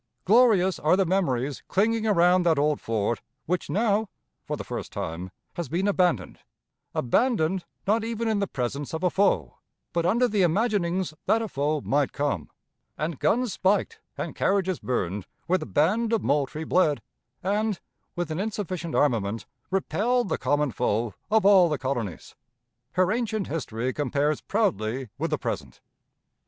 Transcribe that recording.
Glorious are the memories clinging around that old fort which now, for the first time, has been abandoned abandoned not even in the presence of a foe, but under the imaginings that a foe might come; and guns spiked and carriages burned where the band of Moultrie bled, and, with an insufficient armament, repelled the common foe of all the colonies. Her ancient history compares proudly with the present.